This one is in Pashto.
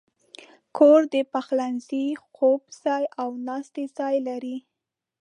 کور د پخلنځي، خوب ځای، او ناستې ځای لري.